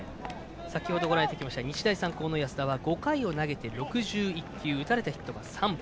先ほどご覧いただきました日大三高の安田は５回を投げて８１球打たれたヒット３本。